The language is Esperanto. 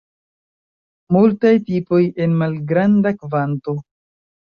Multaj tipoj en malgranda kvanto.